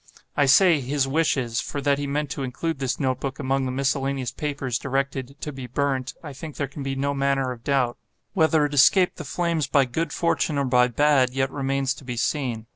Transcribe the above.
I say 'his wishes,' for that he meant to include this note book among the miscellaneous papers directed 'to be burnt,' I think there can be no manner of doubt. Whether it escaped the flames by good fortune or by bad, yet remains to be seen.